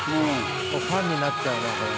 ファンになっちゃうなこれ。